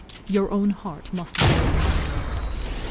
Your own heart must be your monitor.